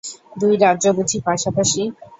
দুই রাজ্য বুঝি পাশাপাশি?